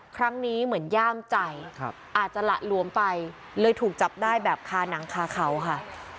ครั้งนี้เหมือนย่ามใจอาจจะหละหลวมไปเลยถูกจับได้แบบคาหนังคาเขาค่ะ